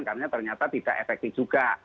karena ternyata tidak efektif juga